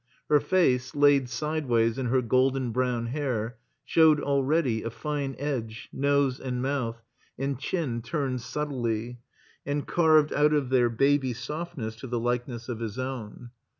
Her face, laid sideways in her golden brown hair, showed already a fine edge, nose, and mouth and chin turned subtly, and carved out of their baby 355 THE COMBINED MAZE softness to the lil^ness of his own.